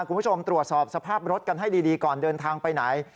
คุณผู้ชมตรวจสอบสภาพรถกันให้ดีก่อนเดินทางไปไหน